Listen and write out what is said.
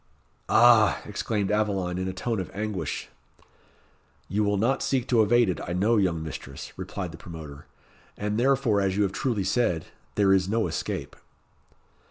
"Ah!" exclaimed Aveline, in a tone of anguish. "You will not seek to evade it, I know, young mistress," replied the promoter; "and therefore, as you have truly said, there is no escape."